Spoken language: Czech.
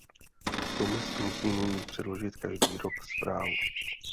Komise musí nyní předložit každý rok zprávu.